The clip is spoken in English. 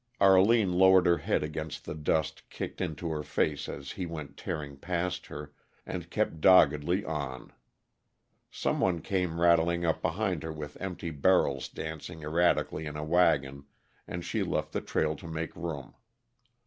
Arline lowered her head against the dust kicked into her face as he went tearing past her, and kept doggedly on. Some one came rattling up behind her with empty barrels dancing erratically in a wagon, and she left the trail to make room.